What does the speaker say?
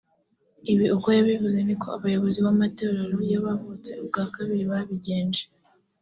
Ibi uko yabivuze niko abayobozi b’amatorero y’abavutse ubwa kabiri babigenje